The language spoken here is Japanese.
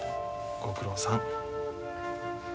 ご苦労さん。